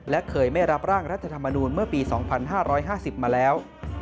และเคยไม่รับร่างรัฐธรรมนูญเมื่อปี๒๕๕๐มาแล้ว